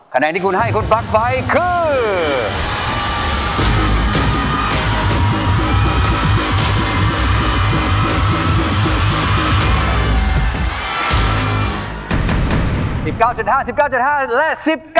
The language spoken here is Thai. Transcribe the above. แนงที่คุณให้คุณปลั๊กไฟคือ